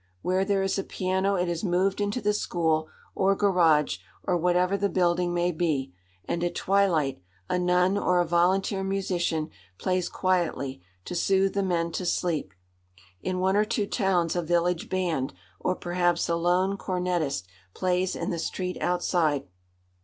Where there is a piano it is moved into the school, or garage, or whatever the building may be, and at twilight a nun or a volunteer musician plays quietly, to soothe the men to sleep. In one or two towns a village band, or perhaps a lone cornetist, plays in the street outside.